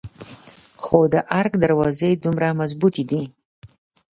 خو د ارګ دروازې دومره مظبوتې دي.